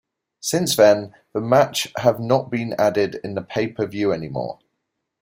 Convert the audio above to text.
Since then, the match have not been added in the pay-per-view anymore.